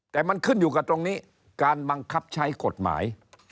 แต่มันขึ้นอยู่กับตรงนี้การบังคับใช้กฎหมาย